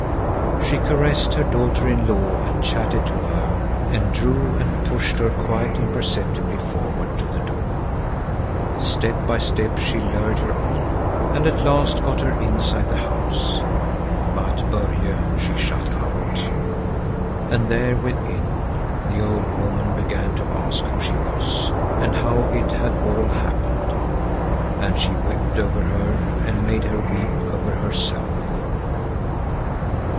She caressed her daughter in law and chatted to her and drew and pushed her quite imperceptibly forward to the door. Step by step she lured her on, and at last got her inside the house; but Börje she shut out. And there, within, the old woman began to ask who she was and how it had all happened. And she wept over her and made her weep over herself.